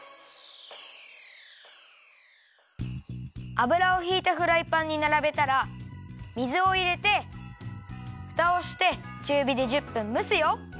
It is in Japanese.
油をひいたフライパンにならべたら水をいれてフタをしてちゅうびで１０分むすよ。